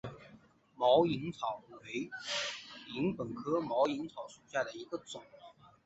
毛颖草为禾本科毛颖草属下的一个种。